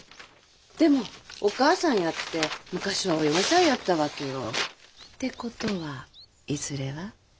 でもお義母さんやって昔はお嫁さんやったわけよ。ってことはいずれは？